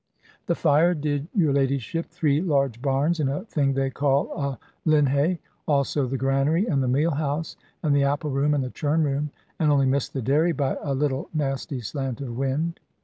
"The fire did, your ladyship, three large barns, and a thing they call a 'linhay;' also the granary, and the meal house, and the apple room, and the churn room, and only missed the dairy by a little nasty slant of wind."